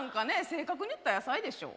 正確に言ったら野菜でしょ。